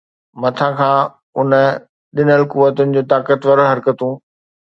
مٿان کان اڻ ڏٺل قوتن جون طاقتور حرڪتون.